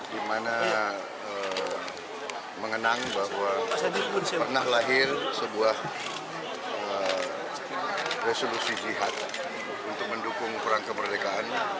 di mana mengenang bahwa pernah lahir sebuah resolusi jihad untuk mendukung perang kemerdekaan